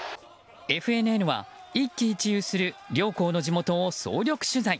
ＦＮＮは一喜一憂する両校の地元を総力取材。